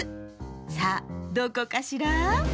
さあどこかしら？